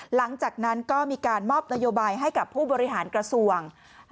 หลังจากนั้นก็มีการมอบนโยบายให้กับผู้บริหารกระทรวง